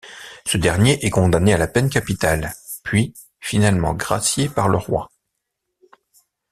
Ce dernier est condamné à la peine capitale puis finalement gracié par le roi.